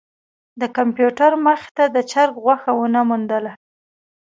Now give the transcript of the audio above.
د کمپیوټر مخې ته د چرک غوښه ونه موندله.